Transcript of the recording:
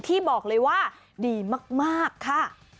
ที่บอกเลยว่าดีมากค่ะ